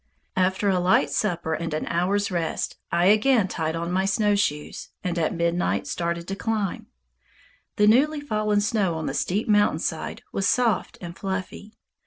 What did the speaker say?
After a light supper and an hour's rest, I again tied on my snowshoes, and at midnight started to climb. The newly fallen snow on the steep mountain side was soft and fluffy.